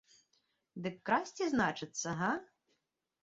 Дык красці, значыцца, га?